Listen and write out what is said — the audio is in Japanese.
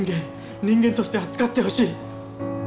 人間として扱ってほしい。